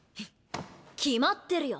決まってるよ！